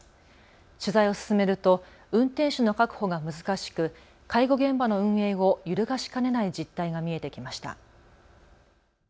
取材を進めると運転手の確保が難しく介護現場の運営を揺るがしかねない実態が見えてきました。